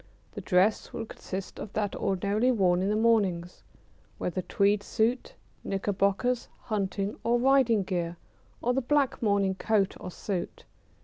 The dress would consist of that ordinarily worn in the mornings, whether tweed suit, knickerbockers, hunting or riding gear, or the black morning coat or suit.